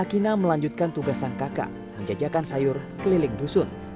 akina melanjutkan tugas sang kakak menjajakan sayur keliling dusun